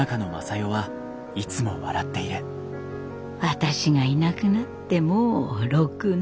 私がいなくなってもう６年。